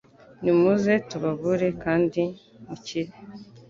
Ni muze tubavure kandi mukire